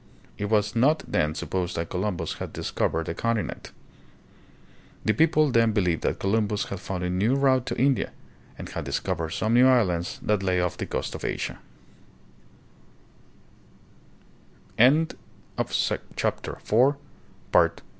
It was not then supposed that Columbus had discovered a continent. The people then believed that Columbus had found a new route to India and had discovered some new islands that lay off the coast of Asia.